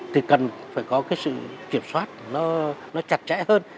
thì cần phải có cái sự kiểm soát nó chặt chẽ hơn